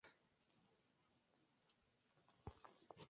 era planteada sin pudor como una simple estrategia más